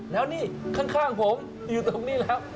แล้วนี่ข้างผมอยู่ตรงนี้แล้ว